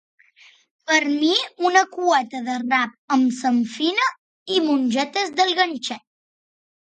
Per mi una cueta de rap amb samfaina i mongetes del ganxet